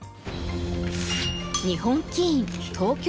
日本棋院東京